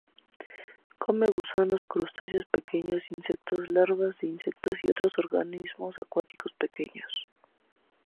Come gusanos, crustáceos pequeños, insectos, larvas de insectos y otros organismos acuáticos pequeños.